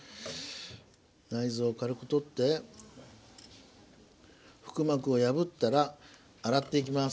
内臓を軽く取って腹膜を破ったら洗っていきます。